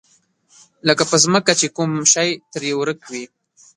لکه په ځمکه چې کوم شی ترې ورک وي.